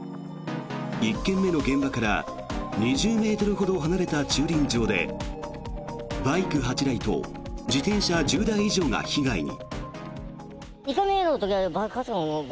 １件目の現場から２０ｍほど離れた駐輪場でバイク８台と自転車１０台以上が被害に。